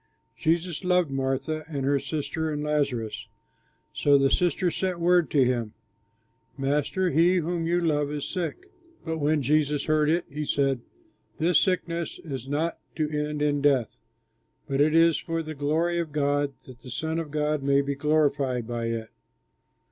Jesus loved Martha, and her sister, and Lazarus. So the sisters sent word to him, "Master, he whom you love is sick." But when Jesus heard it he said, "This sickness is not to end in death, but it is for the glory of God, that the Son of God may be glorified by it."